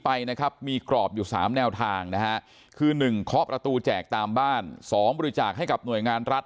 ไปนะครับมีกรอบอยู่๓แนวทางนะฮะคือ๑เคาะประตูแจกตามบ้าน๒บริจาคให้กับหน่วยงานรัฐ